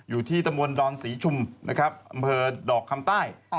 อยู่ที่ตมวนดอนศรีชุมอำเภอดอกคำใต้